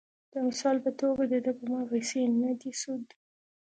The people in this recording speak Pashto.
د مثال پۀ توګه د دۀ پۀ ما پېسې نۀ دي سود ،